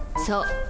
そう。